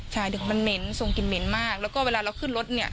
ใช่มันเหม็นส่งกลิ่นเหม็นมากแล้วก็เวลาเราขึ้นรถเนี่ย